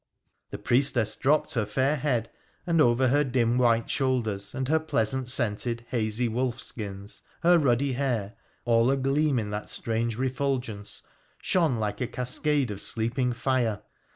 ' The priestess dropped her fair head, and over her dim white shoulders, and her pleasant scented, hazy wolf skins her ruddy hair, all agleam in that strange refulgence, shone like a cascade of sleeping fire.